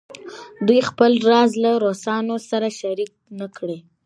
دوی خپل راز له روسانو سره شریک نه کړي.